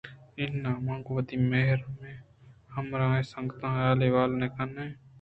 اِنّا، ما گوں وتی ھمراھیں سنگتاں ھال ءُ اھوال نہ کن ایں